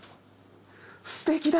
すてきだ！